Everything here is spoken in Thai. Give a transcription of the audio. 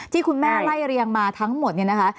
ที่คุณแม่ไล่เรียงมาทั้งหมดเนี่ยนะคะ